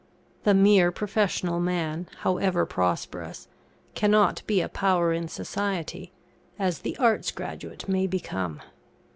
The mere professional man, however prosperous, cannot be a power in society, as the Arts' graduate may become.